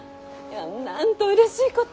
なんとうれしいこと。